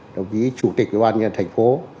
đồng ý chủ tịch bàn nhân thành phố